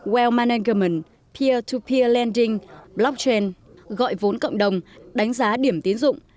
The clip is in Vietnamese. well management peer to peer lending blockchain gọi vốn cộng đồng đánh giá điểm tiến dụng